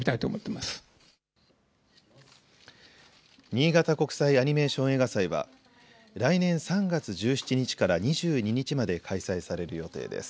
新潟国際アニメーション映画祭は来年３月１７日から２２日まで開催される予定です。